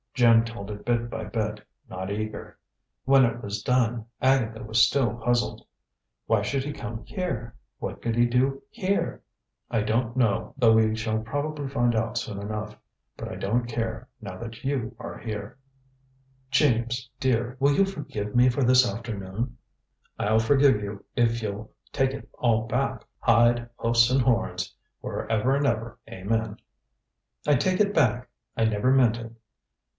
Jim told it bit by bit, not eager. When it was done, Agatha was still puzzled. "Why should he come here? What could he do here?" "I don't know, though we shall probably find out soon enough. But I don't care, now that you are here." "James, dear, will you forgive me for this afternoon?" "I'll forgive you if you'll take it all back, hide, hoofs and horns, for ever 'n ever, amen." "I take it back. I never meant it."